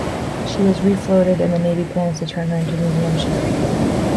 She was refloated and the navy plans to turn her into a museum ship.